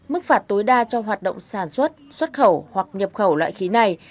mức phạt tối đa cho hoạt động sản xuất xuất khẩu hoặc nhập khẩu loại khí này